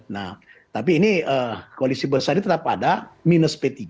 nah tapi ini koalisi besar ini tetap ada minus p tiga